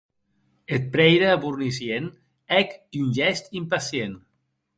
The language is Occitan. Eth prèire Bournisien hèc un gèst impacient.